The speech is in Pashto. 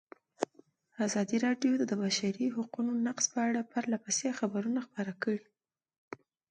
ازادي راډیو د د بشري حقونو نقض په اړه پرله پسې خبرونه خپاره کړي.